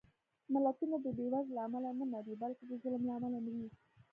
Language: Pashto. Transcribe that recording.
ملتونه د بېوزلۍ له امله نه مري، بلکې د ظلم له امله مري